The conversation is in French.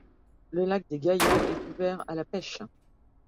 Le lac des Gaillands est ouvert à la pêche.